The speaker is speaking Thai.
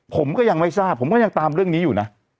ผมก็ยังไม่ทราบผมก็ยังตามเรื่องนี้อยู่นะ